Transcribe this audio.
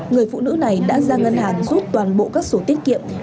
người phụ nữ này đã ra ngân hàng rút toàn bộ các sổ tiết kiệm